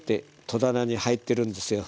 戸棚に入ってるんですよ。